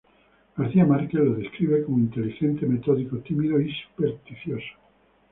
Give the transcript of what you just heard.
García Márquez lo describe como "inteligente, metódico, tímido y supersticioso".